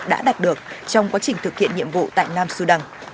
đã đạt được trong quá trình thực hiện nhiệm vụ tại nam su đăng